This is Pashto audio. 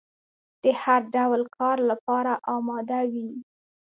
د هر ډول کار لپاره اماده وي.